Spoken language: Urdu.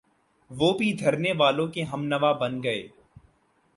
وہ بھی دھرنے والوں کے ہمنوا بن گئے۔